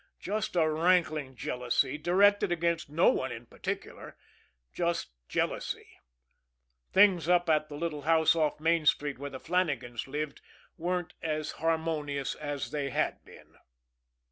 Just a rankling jealousy, directed against no one in particular just jealousy. Things up at the little house off Main Street where the Flannagans lived weren't as harmonious as they had been.